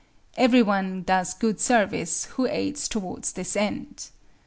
Everyone does good service, who aids towards this end.